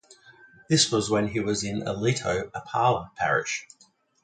This was when he was in Alito, Apala parish.